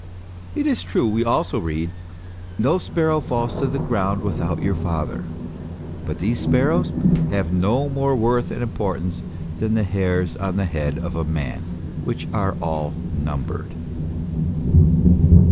It is true we also read :" No sparrow falls to the ground without your Father;" but these sparrows have 110 more worth and importance than the hairs on the head of a man, which are all numbered.